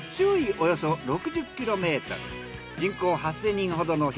およそ６０ｋｍ。